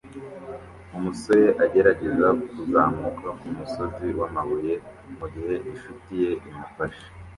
Umusore agerageza kuzamuka kumusozi wamabuye mugihe inshuti ye imufasha